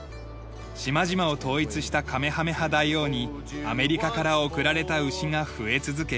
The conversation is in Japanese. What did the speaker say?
島々を統一したカメハメハ大王にアメリカから贈られた牛が増え続け